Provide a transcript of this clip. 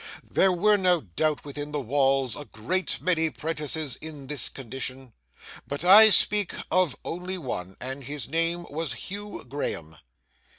There were no doubt within the walls a great many 'prentices in this condition, but I speak of only one, and his name was Hugh Graham.